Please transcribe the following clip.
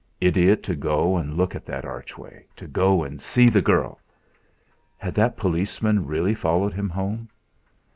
Idiot to go and look at that archway, to go and see the girl! Had that policeman really followed him home?